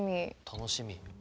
楽しみ。